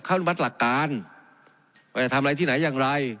เขาอนุมัติหลักการว่าจะทำอะไรที่ไหนอย่างไร